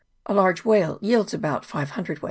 A large whale yields about five cwt.